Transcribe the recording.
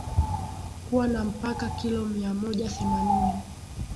kuwa na mpaka kilo miamoja themanini